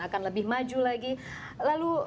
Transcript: akan lebih maju lagi lalu